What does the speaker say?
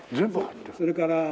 それから。